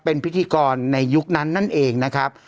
เป็นพิธีกรในยุคนั้นนั่นเองนะครับ